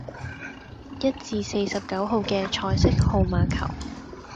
一至四十九號既彩色號碼球